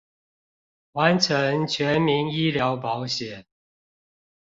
完成全民醫療保險